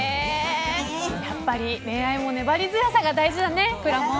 やっぱり恋愛も粘り強さが大事だね、くらもん。